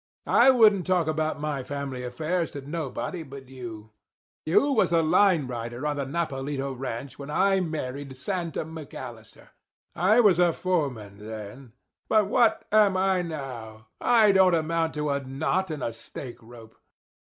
I wouldn't talk about my family affairs to nobody but you. You was line rider on the Nopalito Ranch when I married Santa McAllister. I was foreman then; but what am I now? I don't amount to a knot in a stake rope."